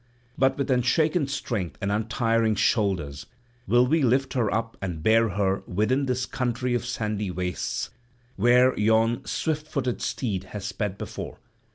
But with unshaken strength and untiring shoulders will we lift her up and bear her within this country of sandy wastes, where yon swift footed steed has sped before.